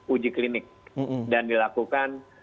uji klinik dan dilakukan